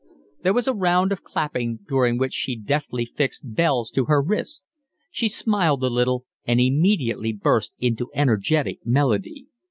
There was a round of clapping during which she deftly fixed bells to her wrists. She smiled a little and immediately burst into energetic melody.